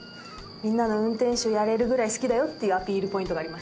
みんなの運転手やれるぐらい好きだよっていうアピールポイントがありました。